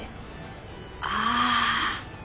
ああ。